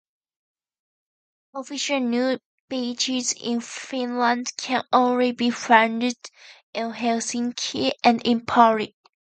Official nude beaches in Finland can only be found in Helsinki and in Pori.